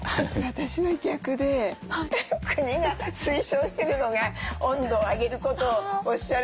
私は逆で国が推奨してるのが温度を上げることをおっしゃるので。